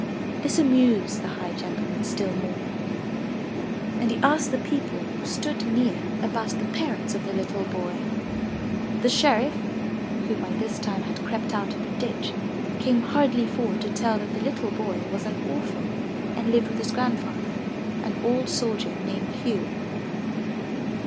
This amused the high gentleman still more, and he asked the people who stood near about the parents of the little boy. The sheriff, who by this time had crept out of the ditch, came hurriedly forward to tell that the little boy was an orphan and lived with his Grandfather, an old soldier named Hugh.